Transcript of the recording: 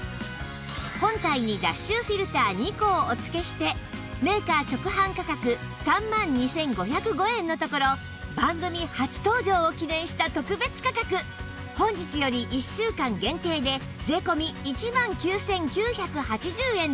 本体に脱臭フィルター２個をお付けしてメーカー直販価格３万２５０５円のところ番組初登場を記念した特別価格本日より１週間限定で税込１万９９８０円です